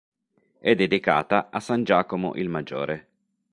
È dedicata a san Giacomo il Maggiore.